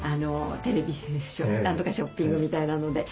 テレビなんとかショッピングみたいなので。